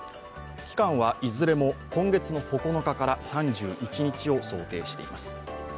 期間はいずれも今月９日から３１日を想定しています。